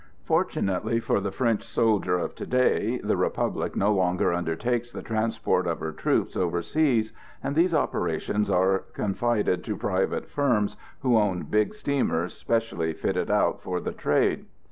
Fortunately for the French soldier of to day, the Republic no longer undertakes the transport of her troops over seas, and these operations are confided to private firms who own big steamers, specially fitted out for the trade.